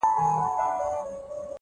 ساده توب فکر له اضافي بار پاکوي.!